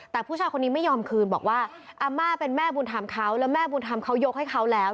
แต่ผู้ชายคนนี้ไม่ยอมคืนบอกว่าอาม่าเป็นแม่บุญธรรมเขาแล้วแม่บุญธรรมเขายกให้เขาแล้ว